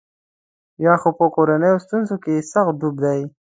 یا خو په کورنیو ستونزو کې سخت ډوب دی.